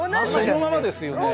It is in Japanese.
そのままですよね。